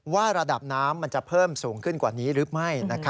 ว่าระดับน้ำมันจะเพิ่มสูงขึ้นกว่านี้หรือไม่